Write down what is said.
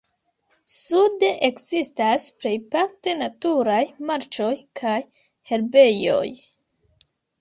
Sude ekzistas plejparte naturaj marĉoj kaj herbejoj.